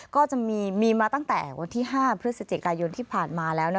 ก็จะมีมาตั้งแต่วันที่๕พฤศจิกายนที่ผ่านมาแล้ว